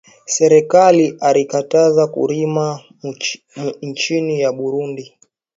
Serkali arikataza kurima mu inchi ya burundi